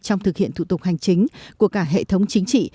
trong thực hiện thủ tục hành chính của cả hệ thống chính trị